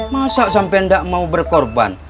masa sampe gak mau berkorban